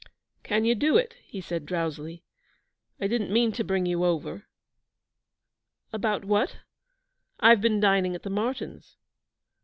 'Can you do it?' he said drowsily. 'I didn't mean to bring you over.' 'About what? I've been dining at the Martyns'.'